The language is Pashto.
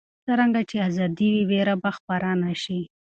څرنګه چې ازادي وي، ویره به خپره نه شي.